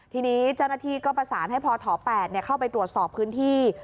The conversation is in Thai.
ทีนี้เจ้าหน้าที่ก็ประสานให้พถ๘เข้าไปตรวจสอบพื้นที่